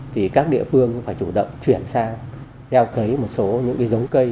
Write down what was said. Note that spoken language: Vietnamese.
thì các địa phương phải chủ động chuyển sang gieo cấy một số những cái giống cây